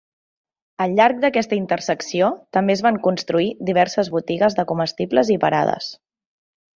Al llarg d'aquesta intersecció també es van construir diverses botigues de comestibles i parades.